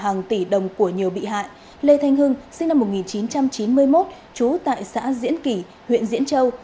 hàng tỷ đồng của nhiều bị hại lê thanh hưng sinh năm một nghìn chín trăm chín mươi một trú tại xã diễn kỷ huyện diễn châu